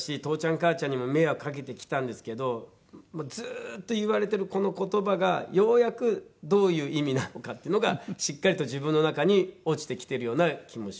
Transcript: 母ちゃんにも迷惑かけてきたんですけどずーっと言われてるこの言葉がようやくどういう意味なのかっていうのがしっかりと自分の中に落ちてきてるような気もします。